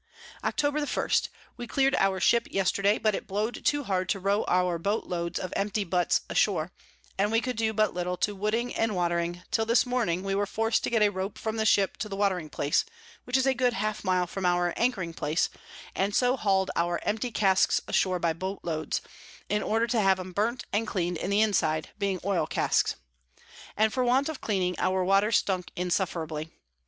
October 1. We clear'd our Ship yesterday, but it blow'd too hard to row our Boat Loads of empty Butts ashoar; and we could do but little to Wooding and Watering, till this morning we were forc'd to get a Rope from the Ship to the watering place, which is a good half mile from our anchoring place, and so haul'd our empty Casks ashore by Boat loads, in order to have 'em burnt and clean'd in the Inside, being Oil Casks; and for want of cleaning, our Water stunk insufferably.